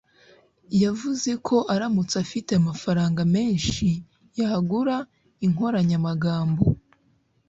yavuze ko aramutse afite amafaranga menshi, yagura inkoranyamagambo